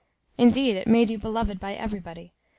Indeed, it made you beloved by everybody.